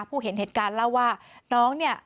เห็นเหตุการณ์เล่าว่าน้องเนี่ย